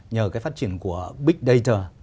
nhờ cái phát triển của big data